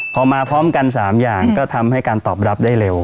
พอมาพร้อมกัน๓อย่างก็ทำให้การตอบรับได้เร็ว